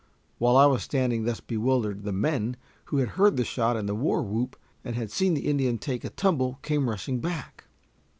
While I was standing thus bewildered, the men, who had heard the shot and the war whoop, and had seen the Indian take a tumble, came rushing back.